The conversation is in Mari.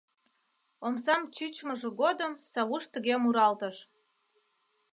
Омсам чӱчмыжӧ годым савуш тыге муралтыш: